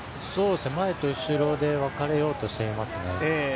前と後ろで分かれようとしていますね。